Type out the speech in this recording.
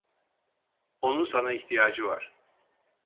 Onun sana ihtiyacı var.